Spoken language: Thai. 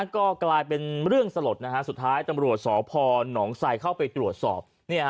ก็กลายเป็นเรื่องสลดสุดท้ายตำรวจสพหนองไซดเข้าไปตรวจสอบ